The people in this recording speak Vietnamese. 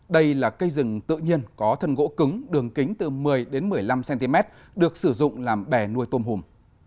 đây là cây rừng tự nhiên có thân gỗ cứng đường kính từ một mươi một mươi năm cm được sử dụng làm bè nuôi tôm hùm